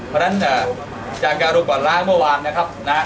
เพราะฉะนั้นจากการรวมก่อนล้างเมื่อวานนะครับนะฮะ